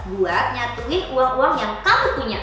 buat nyatui uang uang yang kamu punya